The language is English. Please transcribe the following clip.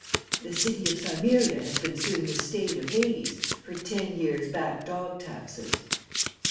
The city of Cimmeria has been suing the State of Hades for ten years back dog taxes."